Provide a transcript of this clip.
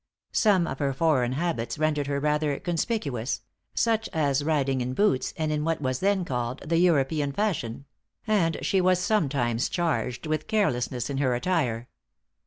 Some of her foreign habits rendered her rather conspicuous; such as riding in boots, and in what was then called, "the European fashion;" and she was sometimes charged with carelessness in her attire.